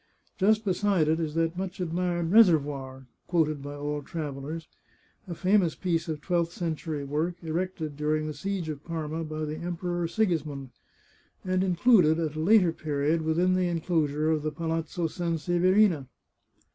Just beside it is that much admired " reservoir," quoted by all travellers — a famous piece of twelfth century work, erected during the siege of Parma by the Emperor Sigismund, and included, at a later period, within the in closure of the Palazzo Sanseverina.